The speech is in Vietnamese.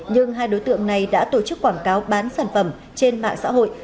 nhưng hai đối tượng này đã tổ chức quảng cáo bán sản phẩm trên mạng xã hội